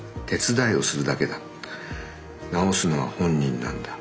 治すのは本人なんだ